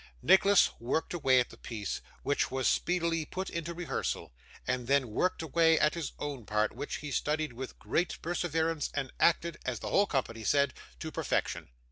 Nicholas worked away at the piece, which was speedily put into rehearsal, and then worked away at his own part, which he studied with great perseverance and acted as the whole company said to perfection.